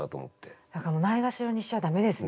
ないがしろにしちゃ駄目ですね。